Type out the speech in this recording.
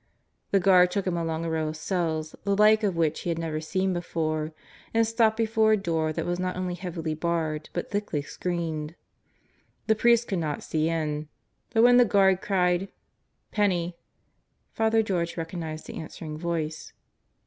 The guard took him along a row of cells the like of which he had never seen before, and stopped before a door that was not only heavily barred but thickly screened. The priest could not see in. But when the guard cried: "Penney!" Father George recognized the answering voice.